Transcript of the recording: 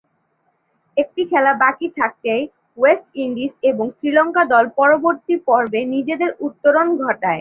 একটি খেলা বাকী থাকতেই ওয়েস্ট ইন্ডিজ এবং শ্রীলঙ্কা দল পরবর্তী পর্বে নিজেদের উত্তরণ ঘটায়।